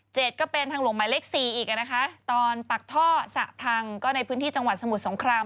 ก็เป็นทางหลวงหมายเลขสี่อีกอ่ะนะคะตอนปักท่อสระพังก็ในพื้นที่จังหวัดสมุทรสงคราม